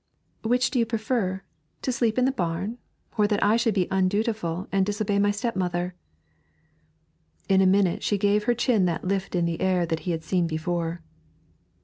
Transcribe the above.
'Which do you prefer to sleep in the barn, or that I should be undutiful and disobey my stepmother?' In a minute she gave her chin that lift in the air that he had seen before.